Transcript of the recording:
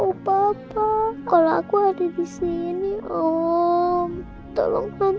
ii oh tak kasih tahu papa kalau aku ada disini bisa bikin ny dua ratus dua d ini om jadikan hubungan ke anda